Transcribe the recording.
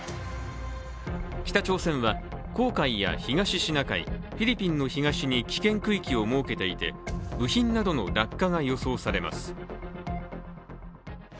北朝鮮は、黄海や東シナ海、フィリピンの東に危険区域を設けていて部品などの落下が予想されます。